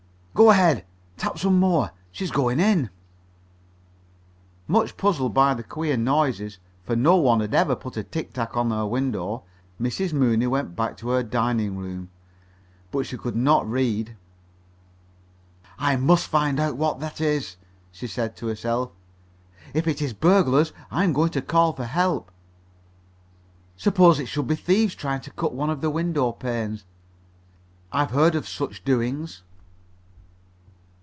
"Go ahead. Tap some more. She's going in." Much puzzled by the queer noises, for no one had ever before put a tic tac on her window, Mrs. Mooney went back to her dining room. But she could not read. "I must find out what that is," she said to herself. "If it's burglars, I'm going to call for help. Suppose it should be thieves trying to cut one of the window panes? I've read of such doings."